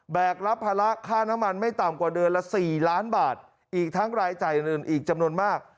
กรับภาระค่าน้ำมันไม่ต่ำกว่าเดือนละ๔ล้านบาทอีกทั้งรายจ่ายอื่นอีกจำนวนมาก